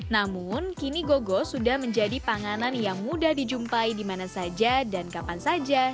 namun kini gogos sudah menjadi panganan yang mudah dijumpai dimana saja dan kapan saja